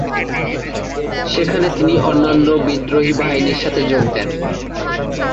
সেখানে তিনি অন্যান্য বিদ্রোহী বাহিনীর সাথে যোগ দেন।